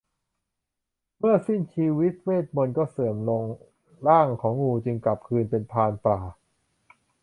เมื่อสิ้นชีวิตเวทย์มนตร์ก็เสื่อมลงร่างของงูจึงกลับคืนเป็นพรานป่า